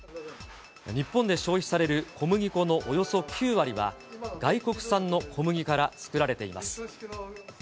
日本で消費される小麦粉のおよそ９割は、外国産の小麦から作られています。